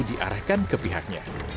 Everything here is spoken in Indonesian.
diarahkan ke pihaknya